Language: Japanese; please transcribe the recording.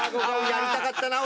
やりたかったな俺。